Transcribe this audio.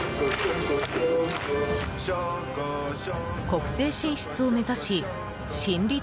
国政進出を目指し真理